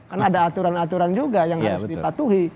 karena ada aturan aturan juga yang harus dipatuhi